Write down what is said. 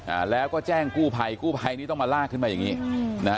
อ่าแล้วก็แจ้งกู้ภัยกู้ภัยนี่ต้องมาลากขึ้นมาอย่างงี้อืมนะฮะ